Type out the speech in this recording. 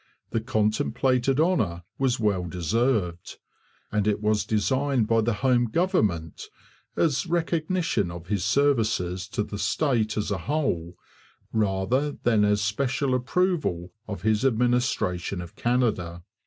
The contemplated honour was well deserved; and it was designed by the home government as recognition of his services to the state as a whole, rather than as special approval of his administration of Canada.